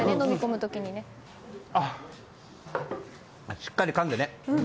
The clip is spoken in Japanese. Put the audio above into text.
しっかりかんでね。